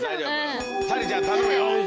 咲莉ちゃん頼むよ！